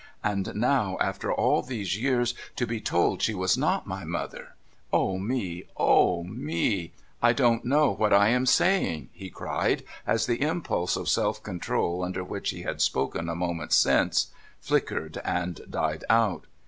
And now, after all these years, to be told she was not my mother ! O me, O me ! I don't know what I am saying !' he cried, as the impulse of self control under which he had spoken a moment since, flickered, and died out.